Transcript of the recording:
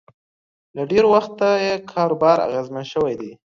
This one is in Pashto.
له ډېره وخته یې کاروبار اغېزمن شوی دی